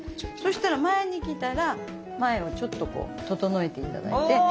そしたら前にきたら前をちょっとこう整えて頂いて。